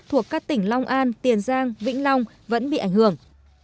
thuộc các tỉnh long an tiền giang vĩnh long vẫn bị ảnh hưởng